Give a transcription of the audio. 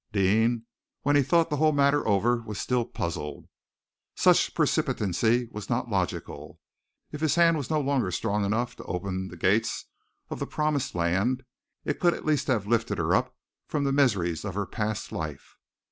Deane, when he thought the whole matter over, was still puzzled. Such precipitancy was not logical. If his hand was no longer strong enough to open the gates of the promised land, it could at least have lifted her up from the miseries of her past life.